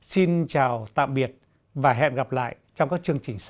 xin chào tạm biệt và hẹn gặp lại trong các chương trình sau